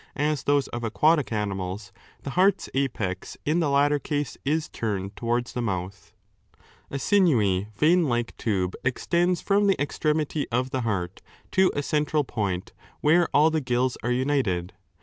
319 320 ARISTOTLE'S PSYCHOLOGY DB&BsraL those of aquatic animals, the heart's apex in the latter 4 case is turned towards the mouth. A sinewy vein like tube extends from the extremity of the heart^ to a central point, where all the gills are united.